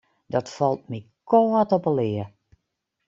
Dat falt my kâld op 'e lea.